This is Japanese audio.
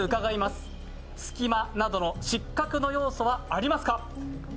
すき間などの失格の要素はありますか。